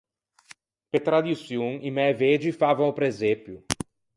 Pe tradiçion i mæ vegi favan o presepio.